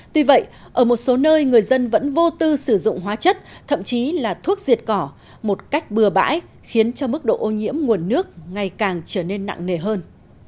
tuy vậy ở một số nơi người dân vẫn vô tư sử dụng hóa chất thậm chí là thuốc diệt cỏ một cách bừa bãi khiến cho mức độ ô nhiễm nguồn nước ngày càng trở nên nặng nề hơn